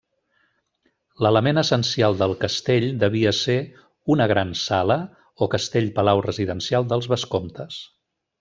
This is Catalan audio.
L'element essencial del castell devia ser una gran sala o castell palau residencial dels vescomtes.